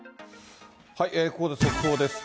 ここで速報です。